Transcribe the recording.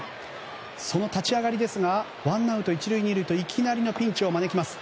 その立ち上がりですがワンアウト１塁２塁といきなりのピンチを招きます。